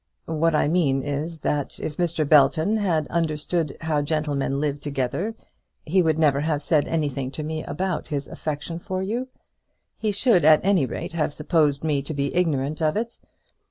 What I mean is, that if Mr. Belton had understood how gentlemen live together he would never have said anything to me about his affection for you. He should at any rate have supposed me to be ignorant of it.